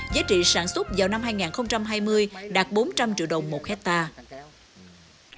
giá trị sản xuất vào năm hai nghìn hai mươi đạt bốn trăm linh triệu đồng một hectare